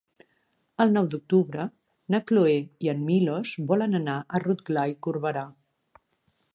El nou d'octubre na Cloè i en Milos volen anar a Rotglà i Corberà.